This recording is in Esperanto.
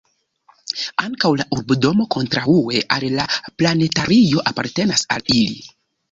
Ankaŭ la urbodomo kontraŭe al la planetario apartenas al ili.